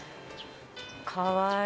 かわいい。